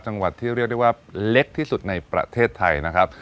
จังหวัดที่เรียกได้ว่าเล็กที่สุดในประเทศไทยนะครับ